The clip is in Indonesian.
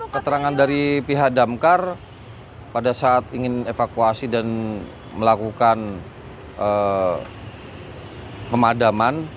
keterangan dari pihak damkar pada saat ingin evakuasi dan melakukan pemadaman